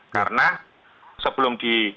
karena sebelum di